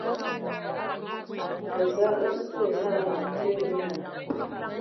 Ve da, osusua ye naa me atie mina.